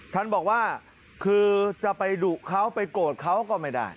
ท่านบอกว่าคือจะไปดุเขาไปโกรธเขาก็ไม่ได้